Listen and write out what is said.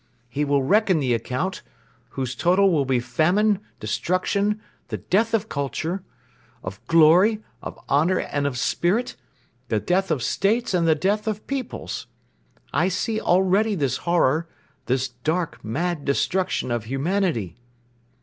He will reckon the account, whose total will be famine, destruction, the death of culture, of glory, of honor and of spirit, the death of states and the death of peoples. I see already this horror, this dark, mad destruction of humanity."